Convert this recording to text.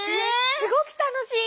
すごく楽しい。